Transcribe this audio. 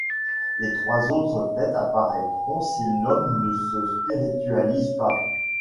Les trois autres têtes apparaîtront si l'homme ne se spiritualise pas.